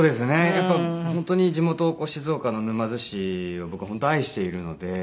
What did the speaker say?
やっぱり本当に地元静岡の沼津市を僕本当愛しているので。